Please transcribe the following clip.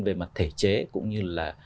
về mặt thể chế cũng như là